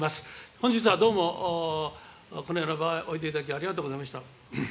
本日はどうも、このような場においでいただき、ありがとうございました。